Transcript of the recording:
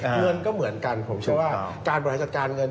เงินก็เหมือนกันผมเชื่อว่าการบริหารจัดการเงิน